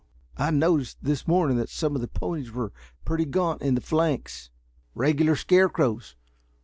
"I noticed this morning that some of the ponies were pretty gaunt in the flanks." "Regular scarecrows.